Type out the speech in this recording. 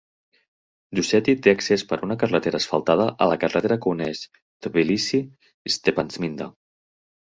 Dusheti té accés per una carretera asfaltada a la carretera que uneix Tbilisi i Stepantsminda.